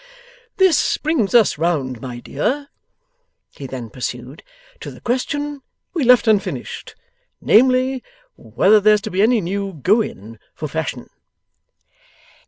'This brings us round, my dear,' he then pursued, 'to the question we left unfinished: namely, whether there's to be any new go in for Fashion.